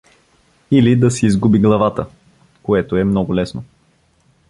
— Или да си изгуби главата… което е много лесно.